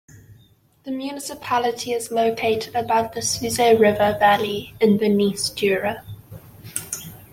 The municipality is located above the Suze river valley in the Bernese Jura.